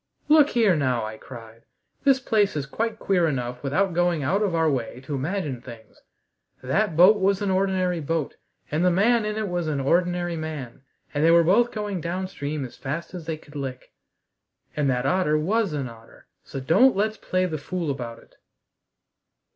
"Look here now," I cried, "this place is quite queer enough without going out of our way to imagine things! That boat was an ordinary boat, and the man in it was an ordinary man, and they were both going downstream as fast as they could lick. And that otter was an otter, so don't let's play the fool about it!"